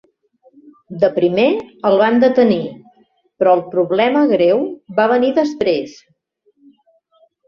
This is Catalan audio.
De primer el van detenir, però el problema greu va venir després.